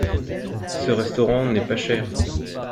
Ce restaurant n’est pas cher.